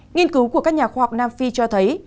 nghiên cứu của các nhà khoa học nam phi cho thấy